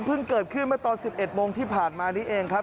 เพิ่งเกิดขึ้นเมื่อตอนบ๑๑ที่ผ่านมานี้เองครับ